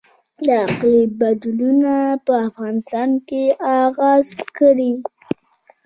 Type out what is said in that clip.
د اقلیم بدلون په افغانستان اغیز کړی؟